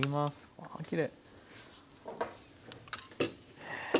わきれい！